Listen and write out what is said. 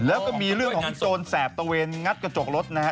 แล้วก็มีเรื่องของโจรแสบตะเวนงัดกระจกรถนะฮะ